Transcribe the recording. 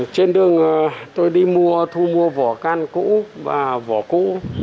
trên đường tôi đi mua thu mua vỏ can cũ và vỏ cũ